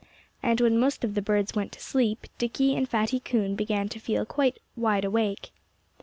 And when most of the birds went to sleep Dickie and Fatty Coon began to feel quite wide awake.